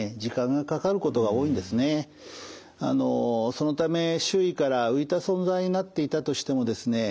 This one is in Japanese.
そのため周囲から浮いた存在になっていたとしてもですね